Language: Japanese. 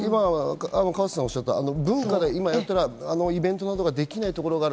河瀬さんがおっしゃった文化、イベントなどができないところがある。